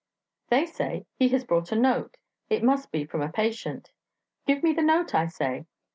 They say, He has brought a note it must be from a patient.' 'Give me the note,' I say.